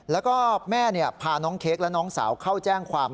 แล้วก็แม่พาน้องเค้กและน้องสาวเข้าแจ้งความ